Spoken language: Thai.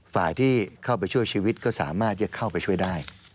ฝ่ายที่เข้าไปช่วยชีวิตก็สามารถจะเข้าไปช่วยได้